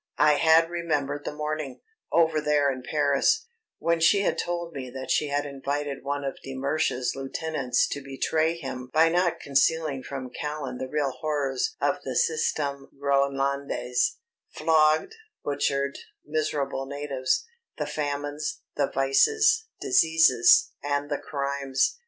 I had remembered the morning, over there in Paris, when she had told me that she had invited one of de Mersch's lieutenants to betray him by not concealing from Callan the real horrors of the Systeme Groënlandais flogged, butchered, miserable natives, the famines, the vices, diseases, and the crimes.